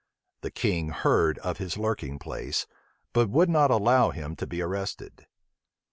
The king heard of his lurking place, but would not allow him to be arrested.